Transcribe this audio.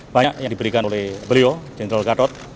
banyak yang diberikan oleh beliau jenderal gatot